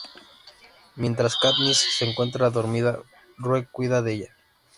Mientras Katniss se encuentra dormida, Rue cuida de ella.